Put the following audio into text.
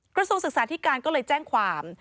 กระทรวงศึกษาธิการก็เลยแจ้งความ